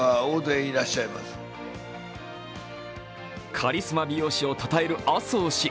カリスマ美容師をたたえる麻生氏。